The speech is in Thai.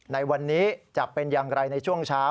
ในวันนี้จะเป็นอย่างไรในช่วงเช้า